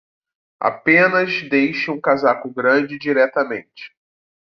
Apenas deixe um casaco grande diretamente